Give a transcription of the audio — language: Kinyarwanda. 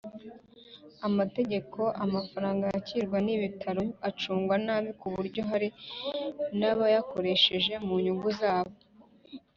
amategeko Amafaranga yakirwa n Ibitaro acungwa nabi ku buryo hari n abayakoresheje mu nyungu zabo